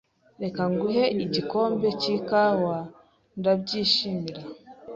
"Reka nguhe igikombe cy'ikawa." "Ndabyishimira."